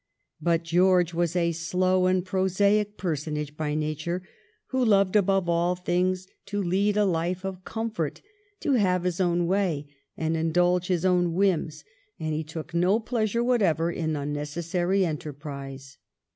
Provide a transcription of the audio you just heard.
But George was a slow and prosaic personage by nature, who loved above all things to lead a life of comfort, to have his own way and indulge his own whims, and he took no pleasure whatever in unnecessary enterprise.